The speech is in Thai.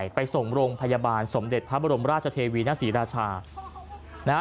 ไปส่งโรงพยาบาลสมเด็จพระบรมราชเทวีณศรีราชานะฮะ